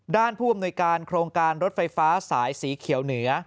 ผู้อำนวยการโครงการรถไฟฟ้าสายสีเขียวเหนือ